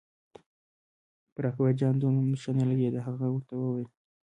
پر اکبرجان دا نوم ښه نه لګېده، هغه ورته وویل.